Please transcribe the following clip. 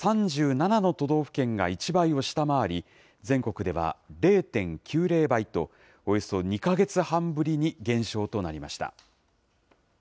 ３７の都道府県が１倍を下回り、全国では０．９０倍と、およそ２か月半ぶりに減少となりました。